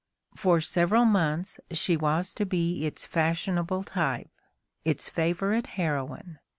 For several months she was to be its fashionable type, its favorite heroine.